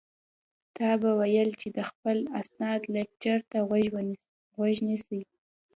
تا به ويل چې د خپل استاد لکچر ته غوږ نیسي.